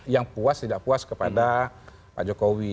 yang puas tidak puas kepada pak jokowi